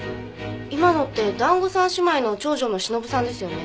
今のって団子三姉妹の長女のしのぶさんですよね？